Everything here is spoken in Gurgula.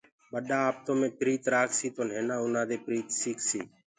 ٻڏآ آپتو مي پريت رآکسيٚ تو نهينآ آُنآ دي پريت سيٚڪسيٚ